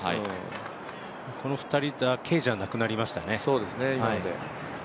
この２人だけじゃなくなりましたね。